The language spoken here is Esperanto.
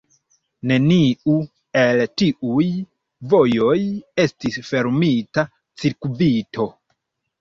Neniu el tiuj vojoj estis fermita cirkvito.